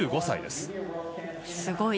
１５歳です。